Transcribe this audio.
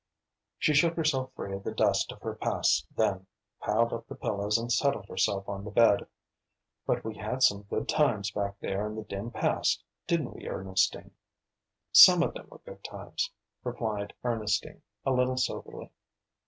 She shook herself free of the dust of her past then, piled up the pillows and settled herself on the bed. "But we had some good times back there in the dim past, didn't we, Ernestine?" "Some of them were good times," replied Ernestine, a little soberly.